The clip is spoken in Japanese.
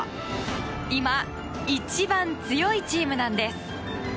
今、一番強いチームなんです。